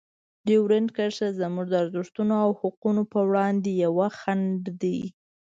ډیورنډ کرښه زموږ د ارزښتونو او حقونو په وړاندې یوه خنډ ده.